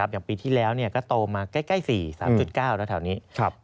อย่างปีที่แล้วก็โตมาใกล้๔๓๙แล้วแถวนี้